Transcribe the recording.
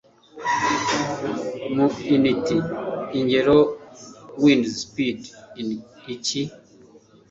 Mu Unit ingero Wind Speed ni iki?